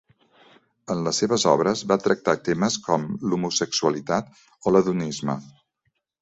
En les seves obres va tractar temes com l'homosexualitat o l'hedonisme.